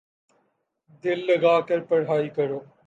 دل لگا کر پڑھائی کرو